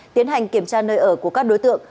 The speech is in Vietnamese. tiến hành kiểm tra nơi ở của các đối tượng